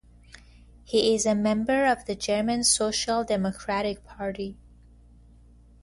He is a member of the German Social Democratic Party.